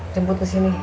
jemput ke sini